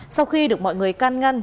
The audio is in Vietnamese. sau khi được mọi người can ngăn